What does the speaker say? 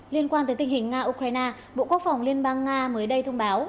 liên quan tới tình hình nga ukraine bộ quốc phòng liên bang nga mới đây thông báo